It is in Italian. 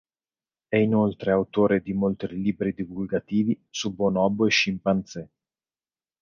È inoltre autore di molti libri divulgativi su bonobo e scimpanzé.